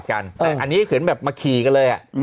อันนี้ถือว่าแบบมาขี่กันเลย